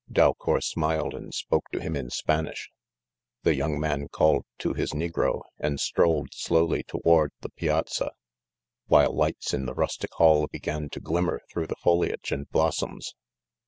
('«) Dalcou? smil ed and spoke to him in Spanish. The young man called to his negro and strolled slowly to ward the piazza, while lights in the rustic hall THE FIRESIDE. 19 began to glimmer through the foliage and "blos soms.